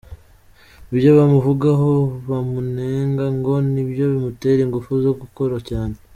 Ibyo bamuvugaho bamunenga ngo nibyo bimutera ingufu zo gukora cyane.